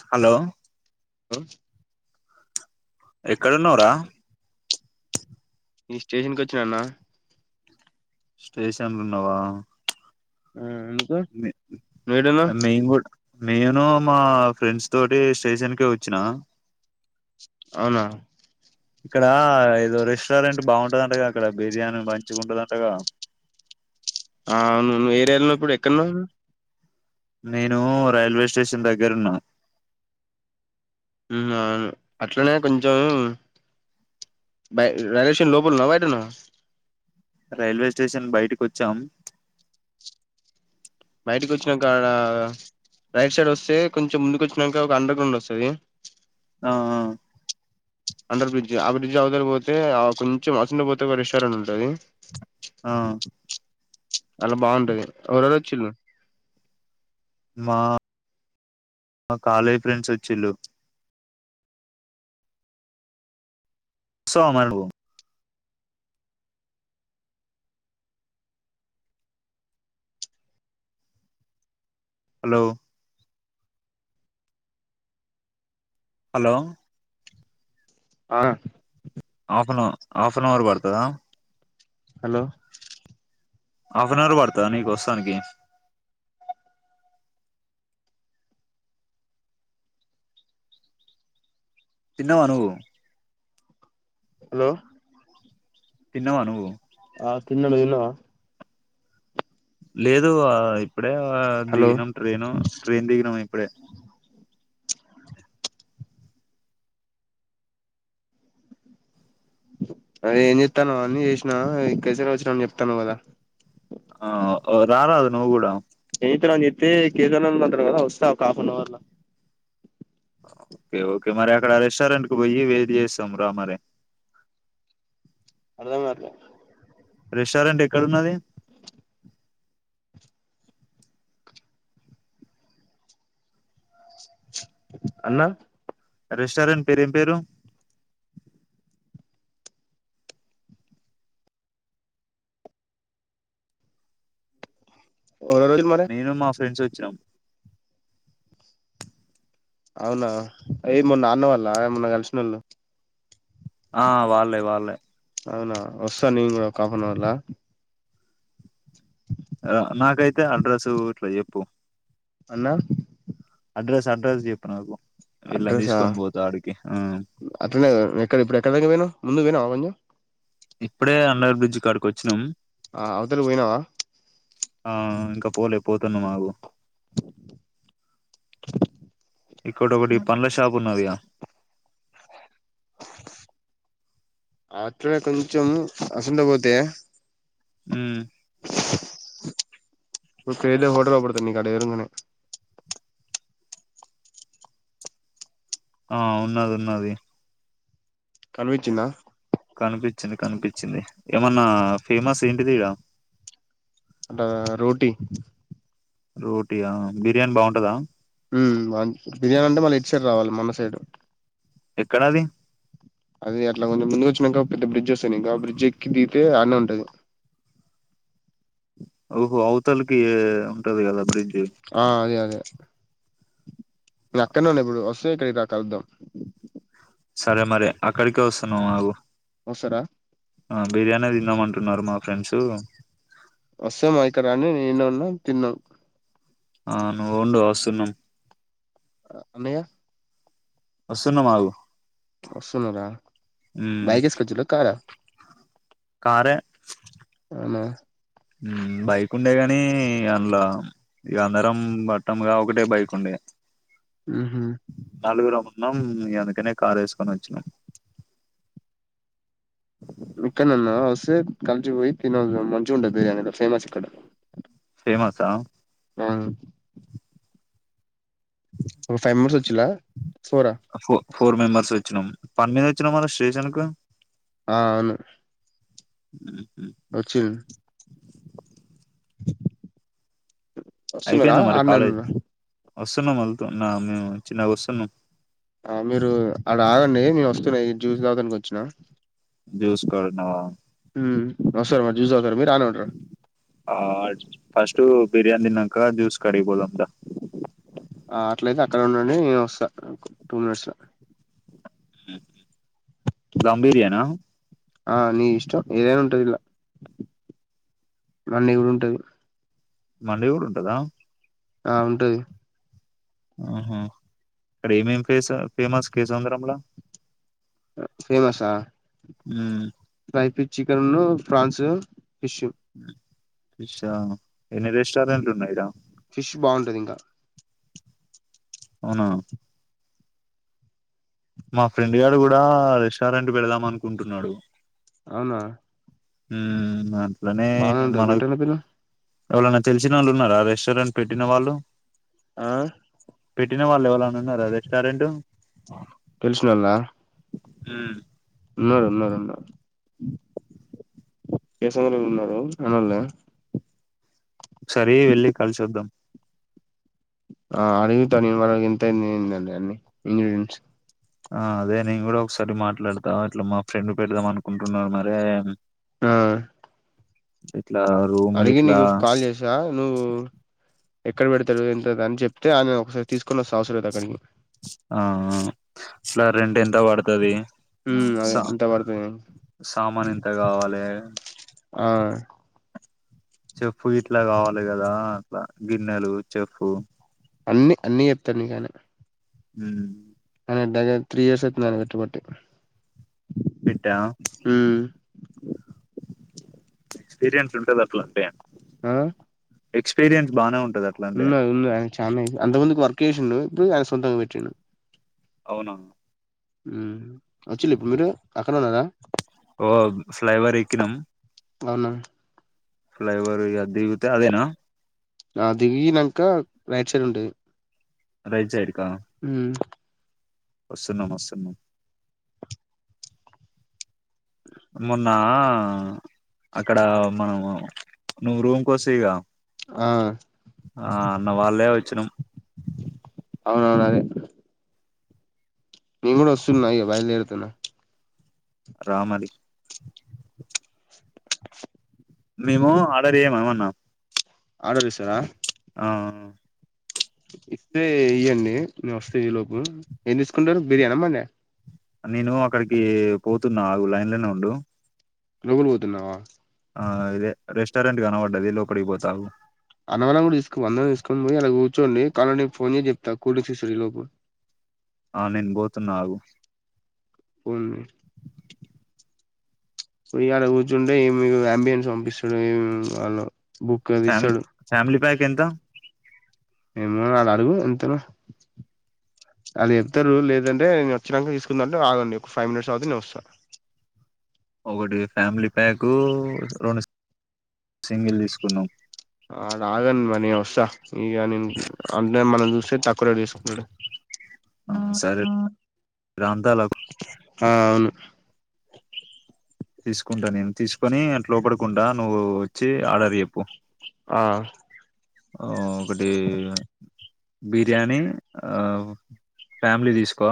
Hello హ ఎక్కడున్నవరా ఈ స్టేషన్కి వచ్చిన అన్న స్టేషన్లోఉన్నవా ఆ ఎందుకు మే నువ్వు ఏడున్నావ్ మేం కూడా నేను మా ఫ్రెండ్స్ తోటి స్టేషన్ కే వచ్చిన అవునా ఇక్కడ ఏదో రెస్టారెంట్ బాగుంటదంటగా ఇక్కడ బిర్యానీ మంచిగా ఉంటదంట గా ఆ అవును నువు ఏరియాలో ఇప్పుడు ఎక్కడన్నావు నేను రైల్వే స్టేషన్ దగ్గరున్నా మ్మ్ అవును అట్లానే కొంచెం బ రేలేషన్ లోపలన్న బయటనా రైల్వే స్టేషన్ బయటకి వచ్చాం బయటికి వచ్చినాక రైట్ సైడ్ వస్తే కొంచెం ముందుకు వచ్చినాక ఒక అండర్ గ్రౌండ్ వస్తది ఆ ఆ అండర్ బ్రిడ్జ్ ఆ బ్రిడ్జ్ అవతల పోతే కొంచెం అస్తుండ పోతే ఒక రెస్టారెంట్ ఉంటాది ఆ అలా బాగుంటాది ఎవరెవరు వచ్చిలు మా మా కాలేజ్ ఫ్రెండ్స్ వచ్చిల్లు ఓస్తావా మరి నువ్వు హలో హలో ఆ half an half an hour పడతాదా హలో హాఫ్ అన్ అవర్ పడతా నీకు వస్తానికి తిన్నావా నువ్వు హలో తిన్నవా నువ్వు ఆ తిన్నా నువ్వు తిన్నావా లేదు ఆ ఇప్పుడే హలో దిగినం ట్రైను ట్రైన్ దిగినాం ఇప్పుడే అదే ఏం చేతనవ్ అన్నీ చేతనవ్ ఎంకసిరి వచ్చినా అని చెప్తా అన్నవ్ కదా ఆ రారాదు నువ్వు కూడా ఎతేనని జేప్తే కేదార్ నాథ్ అంతరు కదా వస్తా ఒక హాఫ్ అన్ అవర్ లో ఓకే ఓకే మరి అక్కడ రెస్టారెంట్ కు పోయి వెయిట్ చేస్తాం రా మరి అర్థంకావట్లే రెస్టారెంట్ ఎక్కడున్నది అన్నా రెస్టారెంట్ పేరు ఏం పేరు రోజులు మరి నేను మా ఫ్రెండ్స్ వ వచ్చినం అవునా ఏ మా నాన్నవాళ్ళ మొన్న కలిసినొళ్ళు ఆ వాళ్లే వాళ్లే అవునా వస్తా నేను కూడా ఒక ఆఫనవర్లో కే అడ్రెస్స్ ఇట్లా ఎప్పు అన్నా అడ్రస్ అడ్రస్ చెప్పు నాకు వీళ్ళని అడ్రసా తీసుకొని పోతా ఆడికి ఆ అట్లనే ఎక్కడ ఇప్పుడు ఎక్కడ పోయినం ముందు పోయినవ్ ఇప్పుడే అండర్ బ్రిడ్జ్ కాడికి వచ్చినాం ఆ అవతలకి పోయినావా ఆ ఇంకా పోలే పోతున్నమగు ఇక్కడొ ఒకటి పండ్ల షాప్ ఉన్నది గా అట్లనే కొంచెం ఆ సందు పోతే ఉమ్ నువ్ ఫెయిల్ అవు [unintelligible] [unintelligible] ఆ ఉన్నది ఉన్నది కనిపించిందా కనిపించింది కనిపించింది ఏమన్నా ఫేమస్ ఏంటిది ఇడ అంట రోటీ రోటీయా బిర్యానీ బాగుంటదా తేడు ఎక్కడ అది అది అట్లా కొంచెం ముందుకు వచ్చినంక పెద్ద బ్రిడ్జ్ వస్తుంది ఇంకా ఆ బ్రిడ్జ్ ఎక్కి దిగితే ఆడనే ఉంటది ఓహో అవుతలకి ఎ టది కదా బ్రిడ్జ్ ఆ అదే అదే నే అక్కన్నే ఉన్నా ఇప్పుడు వస్తే ఇక్కడికి దా కలుద్దాం సరే మరి అక్కడికే వస్సున్నాం ఆగు వస్సారా ఆ బిర్యానీ తిందాం అంటున్నారు మా ఫ్రెండ్స్ వస్తే మా ఇక్కరాండి నేను ఇడినే ఉన్నా తిందాం ఆ నువ్వు ఉండు వస్తున్నాం అన్నయ వస్తున్నమాగు వస్తున్నారా బైక్ ఏస్కోవచ్చిండ్రా కార కారే అవునా హ్మ్మ్ బైక్ ఉండే గాని అందులో ఇ అందరం పట్టం ఒకటే బైక్ ఉండే డార్క్ డార్క్ గ్రీన్ తరువాత బాగా ఎండిపోతే ఇంక ఎల్లోఇష్ గ ఉంది నలుగరం ఉన్నాం ఇగ అందుకనే కార్ ఏసుకొని వచ్చినాం మి అక్కనన్న వస్తే కలిసిపోయి తినివద్దామ్ మంచిగుంటది బిరియానిలు ఫేమస్ ఇక్కడ ఫేమస్సా [unintelligible] ఓ ఫైవ్ మెంబర్స్ వచ్చిలా సోర ఫో ఫోర్ మెంబర్స్ వచ్చినాం పని మీద వచ్చినా మ స్టేషన్ కు ఆ అవును ఉమ్ వచ్చ వస్తున్నార అయిపోయిందా మరి ఆన్నె కాలేజ్ ఉన్నర వస్తున్నాం మళ్తోన్నా మేము చిన్నగా వస్తున్నా ఆ మీరు అడ ఆగండి మేమొ జ్యూస్ తాగడానికి వచ్చినా జ్యూస్ కాడున్నవ వస్తర మరి జ్యూస్ తాగుతార మీరు ఆడనే ఉంటారా ఆ ఫస్టు బిర్యానీ తిన్నాక జ్యూస్ కాడికి పోదాం దా ఆ అట్లయితే అక్కడ ఉండండి నేను వస్తా టూ మినిట్స్ లో ధమ్ బిర్యానా ఆ నీ ఇష్టం ఏదైనా ఉంటది ఇలా అన్నీ కూడా ఉంటది మల్లి కూడా ఉంటదా ఆ ఉంటది ఆహా అక్కడ ఏమేం ఫేస్ ఫేమస్ కే సంద్రంలా ఫేమసా హ్మ్ టై పీ చికెన్లు ఫ్రాన్స్ ఫిష్ ఫా ఎన్ని రెస్టారెంట్లు ఉన్నాయిడా ఫిష్ బాగుంటది ఇంకా అవునా మా ఫ్రెండ్ గాడు కూడా రెస్టారెంట్ వెళదాం అనుకుంటున్నాడు అవునా హ్మ్ అ అట్లనే బానే ఉంటది మన పెట్టండి పిల్ల ఎవరైన్నా తెలిసిన వాళ్ళు ఉన్నారా రెస్టారెంట్ పెట్టిన వాళ్ళు ఆ పెట్టిన వాళ్ళే ఎవ [unintelligible] రెస్టారెంట్ ఉమ్ తెలిసినోళ్ళ ఉన్నారు ఉన్నారు ఉన్నారు కేసముద్రం ఉన్నారు మనోళ్లే ఒకసారి వెళ్లి కలిసొద్దాం. ఆ అడివి తనియబడ ఇంత అయింది ఎందడి అన్ని ఇంగ్రీడియంట్స్ ఆ అదే నేను కూడా ఒకసారి మాట్లాడతా ఇట్లా మా ఫ్రెండ్ పెడదాం అనుకుంటున్నారు మరే ఆ ఇట్లా రూమ్ అడిగి ఇట్లా నీకు కాల్ చేసా నువ్వు ఎక్కడ పెడతాడు ఎంత అని చెప్తే ఆయన ఒకసారి తీసుకుని వస్త అవసరం అయితే అక్కడికి ఆ [unintelligible] ఎంత పడుతది. హు అదే సా ఎంత పడ్తది సామాన్ ఎంత కావాలే ఆ చెప్పు గిట్ల కావాలి కదా. అట్లా గిన్నెలు చెప్పు అన్ని అన్ని చెప్తాడు నీకు ఆయన హు ఆయన దగ్గర త్రీ ఇయర్స్ అయితుంది ఆయన కట్పబట్టి పెట్టా ఎక్స్పీరియన్స్ ఉంటది అట్లా అంటే ఆ ఎక్స్పీరియన్స్ బానే ఉంటది అట్లా అంటే విన్నా విన్నా ఆయన చ అంత ముందికి వర్క్ చేసిండు ఇప్పుడు ఆయన సోతంగా పెట్టిండు. అవునా హు వచ్చిళ్ళ ఇప్పుడు మీరు పక్కన ఉన్నారా ఓ ఫ్లైఓవర్ ఎక్కినం అవునా ఫ్లైఓవర్ ఇగ అది దిగితే అదేనా నా దిగినంక రైట్ సైడ్ ఉంటది. రైట్ సైడ్ కా హు వస్తున్నాం వస్తున్నాం. మొన్న అక్కడ మనము నువ్ రూమ్ కోస్తివిగా ఆ ఆ మొన్న వాళ్లే వచ్చినం. అవునవును అదే నేను కూడ వస్తున్నా ఇగ బయలుదేరుతున్న రా మరీ మేము ఆర్డర్ చేయమ ఏమన్నా ఆడరీస్తారా ఆ ఇస్తే ఇయ్యండి నేనొస్తా ఈలోపు ఏం తీసుకుంటారు బిర్యానా మండా నేను అక్కడికి పోతున్నా ఆగు లైన్ లోనే ఉండు లోపల పోతున్నావా ఆ ఇదే రెస్టారెంట్ గన పడ్డది లోపటికి పోత ఆగు అన్నవాళ్ళను కూడా తీసుకుపో అందరిని తీసుకొని పోయి అడ కూర్చోండి కాలంటే నేను ఫోన్ చేసి చెప్తా కూల్ డ్రింక్స్ ఇస్తా ఈ లోపు ఆ నేను పోతున్న ఆగు పోనీ పొయ్యాడ కూర్చుంటే ఏమి యాంబియెన్స్ పంపిస్తాడు ఏమి వాళ్ళు బుక్ అది ఫ్యామి ఇస్తడు ఫ్యామిలీ ప్యాక్ ఎంత ఇంగ కళా అడుగు ఎంతనో ఆయన చెప్తారు లేదంటే నేను వచ్చినంక తీసుకుందాం అంటే ఆగండి ఒక ఫైవ్ మినిట్స్ ఆగితే నేను వస్తా ఒకటి ఫ్యామిలీ ప్యాకు రెండు సి సింగిల్ తీసుకున్నాం ఆడ ఆగమ్మ నేవస్తా ఇ య నేను ఉ అంటే మనం చూస్ తిన్ ఇక్కడ తీసుకున్నడు ఆ సరే ప్రాంతాల ఆ అవును తీసుక్ నువ్వు వచ్చి ఆర్డర్ ఆ ఆ ఒకటీ బిర్యానీ హా ఫ్యామిలీ తీసుకో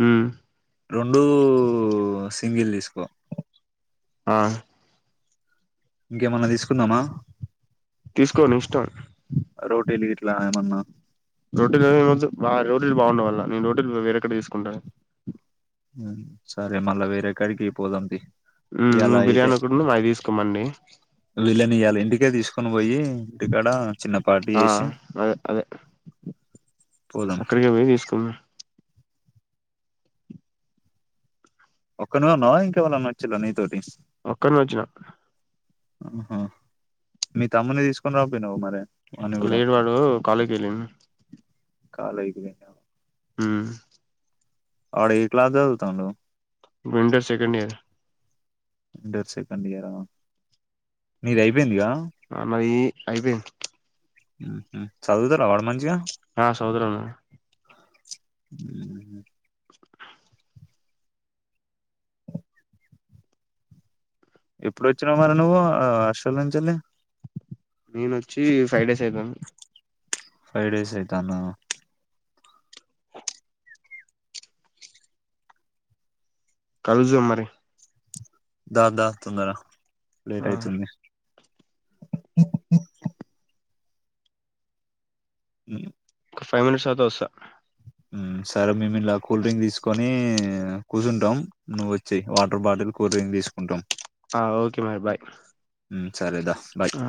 హ్మ్ రెండూ ఒ సింగిల్ తీసుకో ఆ ఇంకేమన్నా తీసుకుందామా తీసుకో నీ ఇష్టం రోటీలు ఇట్లా ఎమన్నా రోటీలనీ [unintelligible] ఒద్దు బా రోటీలు [unintelligible] [inaudible] నేను రోటీలు వేరేకడ తీసుకుంటా ఉమ్ సరే మళ్ళా వేరే కడికి పోదాం తీ ఉమ్ ఇయాల నువ్వు ఇటే బిర్యానీ ఒకటును అవి తీసుకో మండి ఇదే తీసుకొనీ బొయ్యి ఆ అదే అదే పోదాం అక్కడికి పో తీసుకు ఒక్కనున్నా ఇంకవళం మచ్చిలో నీ తోటి అక్కడి ను వచ్చినా ఆహా మీ తమ్ముని తీసుకొని రా పోయి ను్వు మరి వాన్ని కూడా లేడు వాడు కాలేకి వెళ్ళిను కాాల వకుదన్నా ఆ అడ ఏ క్లా చదుతుడు ఇంటర్ సెకండ్ ఇయర్ రెడుర్స కండగార అన్న ఈ అయిపోయి చదువుతారా వాడు మంచిగా ఆ సౌదరన్నా హ్మ్ ఎప్పుడు వచ్చినా మరి నువ్వు అష్టోల్ నుంచిల్ నేను వచ్చి ఫైవ్ డేస్ అయితాను ఫైవ్ డేస్ అయితాందా కజు అరి దా ద తుందర లేట్ ఆ, అయితుంది హ హ్మ్ ఒక ఫైవ్ మినిట్స్ అవాత వస్తా సరే మేము ఇలా కూల్ డ్రింక్ తీసుకొని కుజండం నువ్వు వచ్చెయ్ వాటర్ బాటిల్ కూరని తీసుకుంటాం ఆ ఓకే మ బాయ్ సరేదా ఆ